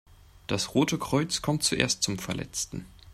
Das Rote Kreuz kommt zuerst zum Verletzten.